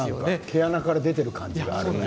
毛穴から出ている感じがあるね。